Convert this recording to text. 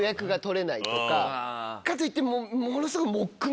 かといってものすごい。